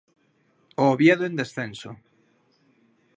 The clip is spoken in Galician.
O Oviedo en descenso.